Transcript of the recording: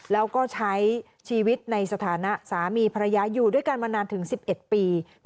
แล้วก็ใช้ชีวิตในสถานะสามีภรรยาอยู่ด้วยกันมานานถึง๑๑ปี